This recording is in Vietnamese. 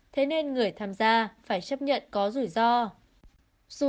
thế nên người tham gia phải chấp nhận có rủi ro